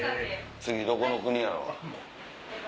次どこの国やろう？